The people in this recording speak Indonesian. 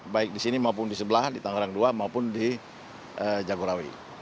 baik di sini maupun di sebelah di tangerang dua maupun di jagorawi